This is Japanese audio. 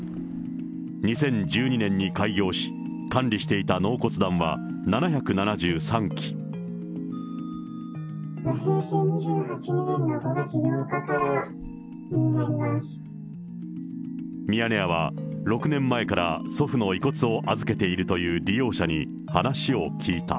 ２０１２年に開業し、平成２８年の５月８日からにミヤネ屋は６年前から祖父の遺骨を預けているという利用者に話を聞いた。